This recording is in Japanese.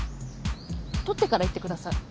取ってから言ってください。